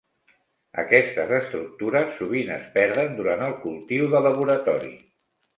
Aquestes estructures sovint es perden durant el cultiu de laboratori.